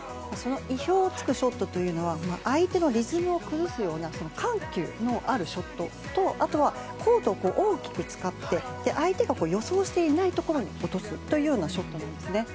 意表を突くショットというのは相手のリズムを崩すような緩急のあるショットとあとは、コートを大きく使って相手が予想していないところに落とすというようなショットなんですね。